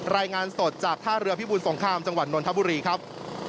รายงานสดจากท่าเรือพิบูรสงครามจังหวัดนนทบุรีครับ